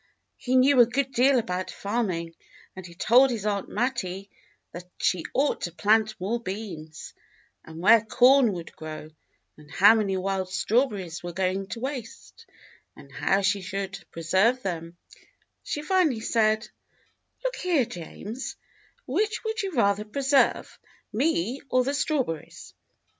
He knew a good deal about farming, and he told his Aunt Mattie that she ought to plant more beans, and where corn would grow, and how many wild strawberries were going to waste, and how she should preserve them : she finally said: "Look here, James, which would you rather preserve, me or the strawberries.